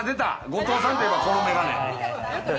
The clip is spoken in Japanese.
後藤さんといえばこのメガネ。